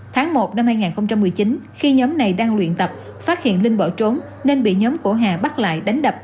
tháng một năm hai nghìn một mươi chín khi nhóm này đang luyện tập phát hiện linh bỏ trốn nên bị nhóm của hà bắt lại đánh đập